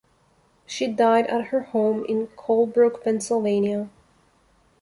She died at her home in Colebrook, Pennsylvania.